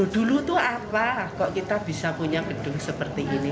dulu itu apa kok kita bisa punya gedung seperti ini